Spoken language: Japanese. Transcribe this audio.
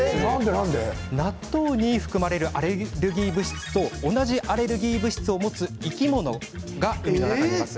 納豆に含まれるアレルギー物質とじ物質を持つ生き物が海の中にいます。